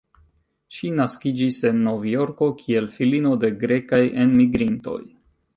Ŝi naskiĝis en Novjorko, kiel filino de grekaj enmigrintoj.